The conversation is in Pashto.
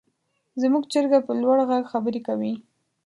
زموږ چرګه په لوړ غږ خبرې کوي.